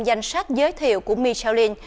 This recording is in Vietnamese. danh sách giới thiệu của michelin